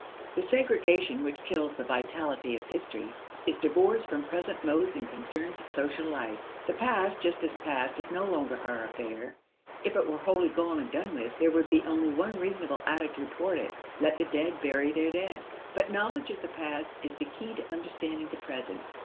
The segregation which kills the vitality of history is divorce from present modes and concerns of social life. The past just as past is no longer our affair. If it were wholly gone and done with, there would be only one reasonable attitude toward it. Let the dead bury their dead. But knowledge of the past is the key to understanding the present.